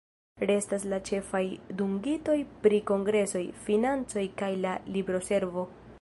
Restas la ĉefaj dungitoj pri Kongresoj, financoj kaj la libroservo.